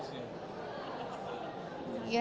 ini kan bonusnya